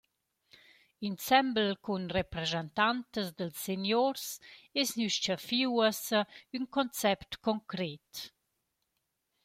Insembel cun rapreschantantas dals seniors es gnü s-chaffi uossa ün concept concret.